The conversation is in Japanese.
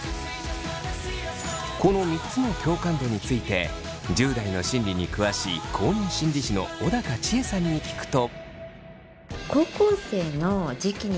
この３つの共感度について１０代の心理に詳しい公認心理師の小高千枝さんに聞くと。